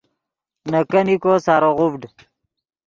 نے کینیکو سارو غوڤڈ